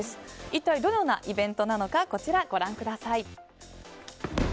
一体、どのようなイベントなのかこちらご覧ください。